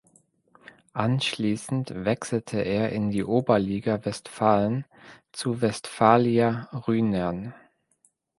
Anschließend wechselte er in die Oberliga Westfalen zu Westfalia Rhynern.